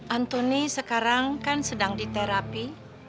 antoni sekarang kan sedang diterapi